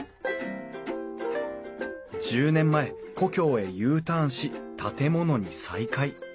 １０年前故郷へＵターンし建物に再会。